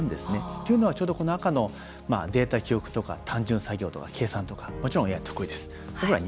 っていうのは、ちょうどこの赤のデータ記憶とか単純作業とか計算とかもちろんＡＩは得意です。